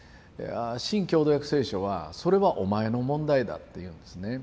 新共同訳聖書は「それはお前の問題だ」っていうんですね。